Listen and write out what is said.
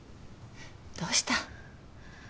どうした？